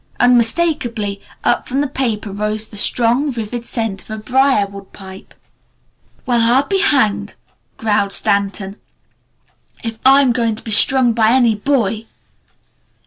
Unmistakably, up from the paper rose the strong, vivid scent of a briar wood pipe. "Well I'll be hanged," growled Stanton, "if I'm going to be strung by any boy!"